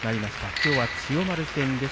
きょうは千代丸戦です。